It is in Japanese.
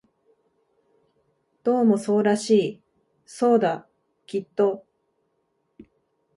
どうもそうらしい、そうだ、きっと